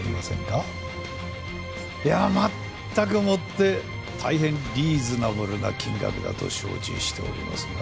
いやまったくもって大変リーズナブルな金額だと承知しておりますが。